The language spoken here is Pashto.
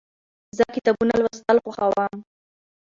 زه کتابونه لوستل خوښوم.